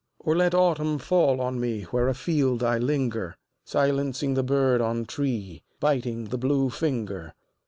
Or let autumn fall on me Where afield I linger, Silencing the bird on tree, Biting the blue finger.